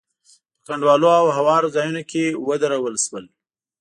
په کنډوالو او هوارو ځايونو کې ودرول شول.